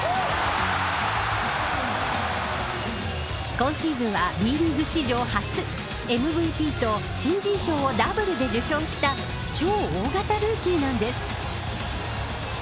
今シーズンはＢリーグ史上初ＭＶＰと新人賞をダブルで受賞した超大型ルーキーなんです。